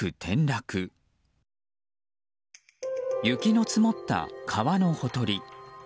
雪の積もった川のほとり。